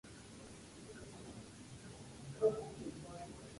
Farzad was born in London to Iranian parents.